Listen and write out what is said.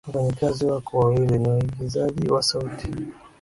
wafanyakazi wako wawili ni waigizaji wa sauti